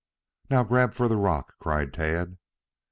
"Now grab for the rock," cried Tad.